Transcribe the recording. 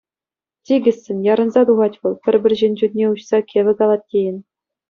Тикӗссӗн, ярӑнса тухать вӑл, пӗр-пӗр ҫын чунне уҫса кӗвӗ калать тейӗн.